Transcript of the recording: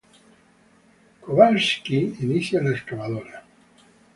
Kowalski inicia la excavadora.